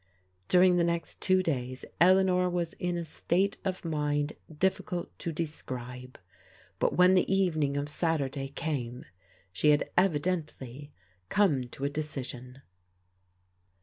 During the next two days, Eleanor was m a state of mind difficult to describe. But when the evening of Saturday came she had evidently come to a decision.